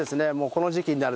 この時期になると。